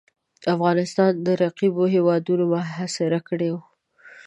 افغانستان د رقیبو هیوادونو محاصره کړی وو.